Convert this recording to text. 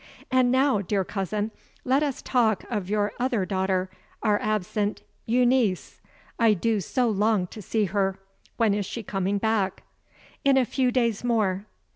"And now, dear cousin, let us talk of your other daughter, our absent Euneece. I do so long to see her. When is she coming back?" "In a few days more."